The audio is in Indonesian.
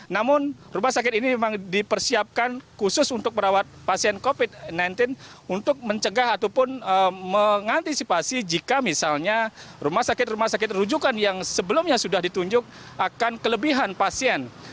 namun rumah sakit ini memang dipersiapkan khusus untuk merawat pasien covid sembilan belas untuk mencegah ataupun mengantisipasi jika misalnya rumah sakit rumah sakit rujukan yang sebelumnya sudah ditunjuk akan kelebihan pasien